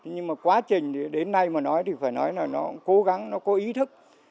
nhưng mà quá trình đến nay mà nói thì phải nói là nó cố gắng nó có ý thức